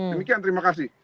demikian terima kasih